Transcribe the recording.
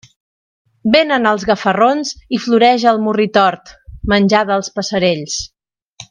Vénen els gafarrons i floreix el morritort, menjar dels passerells.